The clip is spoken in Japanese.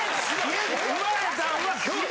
生まれたんは京都。